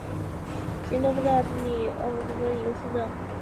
齐灵多夫是奥地利下奥地利州维也纳新城城郊县的一个市镇。